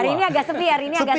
hari ini agak sepi